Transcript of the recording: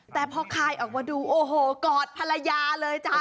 แต่พอคายออกมาดูโอ้โหกอดภรรยาเลยจ้า